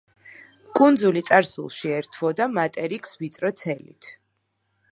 კუნძული წარსულში ერთვოდა მატერიკს ვიწრო ცელით.